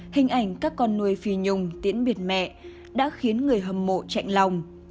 hình ảnh các con nuôi phi nhùng tiễn biệt mẹ đã khiến người hâm mộ chạy lòng